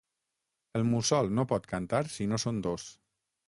El mussol no pot cantar si no són dos.